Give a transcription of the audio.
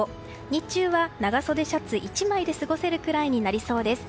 日中は長袖シャツ１枚で過ごせるくらいになりそうです。